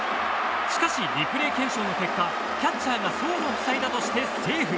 しかしリプレー検証の結果キャッチャーが走路を塞いだとしてセーフ。